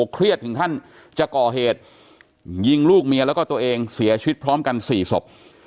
เครียดถึงขั้นจะก่อเหตุยิงลูกเมียแล้วก็ตัวเองเสียชีวิตพร้อมกัน๔ศพ